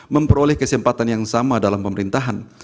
memperoleh kesempatan yang sama dalam pemerintahan